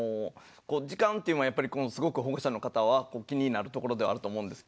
時間っていうのはやっぱりすごく保護者の方は気になるところではあると思うんです。